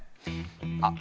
あっ！